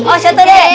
oh siapa deh